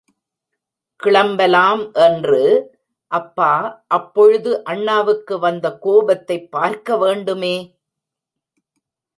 கிளம்பலாம் என்று......... அப்பா... அப்பொழுது அண்ணாவுக்கு வந்த கோபத்தைப் பார்க்க வேண்டுமே!